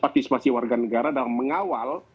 partisipasi warga negara dalam mengawal